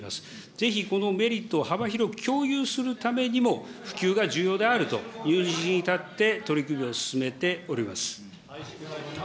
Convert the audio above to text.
ぜひこのメリットを幅広く共有するためにも、普及が重要であるというに立って取り組みを進めております。